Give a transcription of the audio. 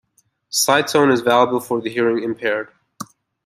Sidetone is valuable for the hearing impaired.